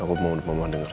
aku mau mama denger